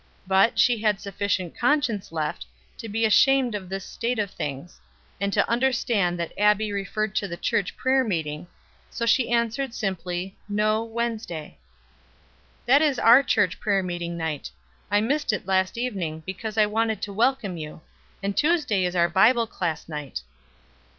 But she had sufficient conscience left to be ashamed of this state of things, and to understand that Abbie referred to the church prayer meeting, so she answered simply "No; Wednesday." "That is our church prayer meeting night. I missed it last evening because I wanted to welcome you. And Tuesday is our Bible class night."